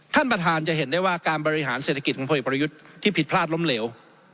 ท่านประธานจะเห็นได้ว่าการบริหารเศรษฐกิจของพลเอกประยุทธ์ที่ผิดพลาดล้มเหลว